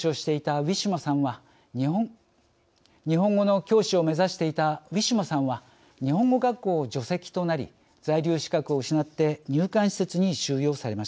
日本語の教師を目指していたウィシュマさんは日本語学校を除籍となり在留資格を失って入管施設に収容されました。